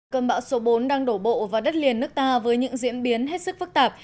cơn bão số bốn đang đổ bộ vào đất liền nước ta với những diễn biến hết sức phức tạp